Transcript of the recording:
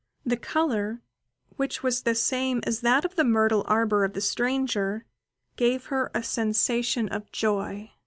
The colour, which was the same as that of the myrtle arbour of the stranger, gave her a sensation of joy.